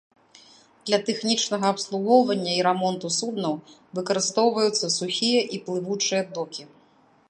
Для тэхнічнага абслугоўвання і рамонту суднаў выкарыстоўваюцца сухія і плывучыя докі.